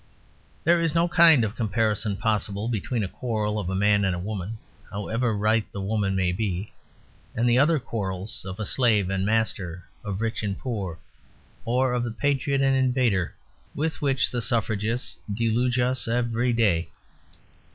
There is no kind of comparison possible between a quarrel of man and woman (however right the woman may be) and the other quarrels of slave and master, of rich and poor, or of patriot and invader, with which the Suffragists deluge us every day.